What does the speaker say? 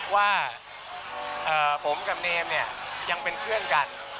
ว่าผมกับเนมเนี่ยยังเป็นเพื่อนกัน